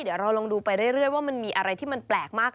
เดี๋ยวเราลองดูไปเรื่อยว่ามันมีอะไรที่มันแปลกมาก